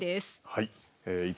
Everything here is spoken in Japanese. はい。